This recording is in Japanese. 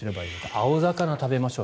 青魚食べましょう。